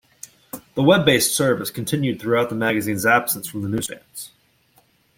The Web-based service continued throughout the magazine's absence from the news-stands.